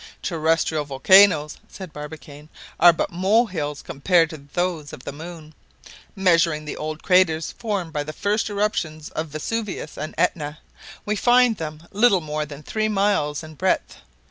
"Terrestrial volcanoes," said Barbicane, "are but mole hills compared with those of the moon. Measuring the old craters formed by the first eruptions of Vesuvius and Etna, we find them little more than three miles in breadth.